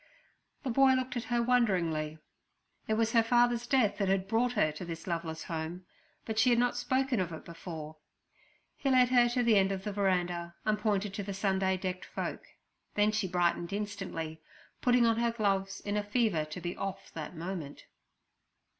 The boy looked at her wonderingly. It was her father's death that had brought her to this loveless home, but she had not spoken of it before. He led her to the end of the veranda, and pointed to the Sunday decked folk, then she brightened instantly, putting on her gloves, in a fever to be off that moment.